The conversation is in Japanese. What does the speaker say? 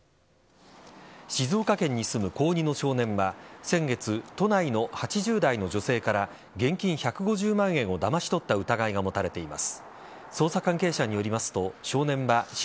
静岡県に住む高２の少年は先月、都内の８０代の女性から現金１５０万円をだまし取った疑いが持たれています。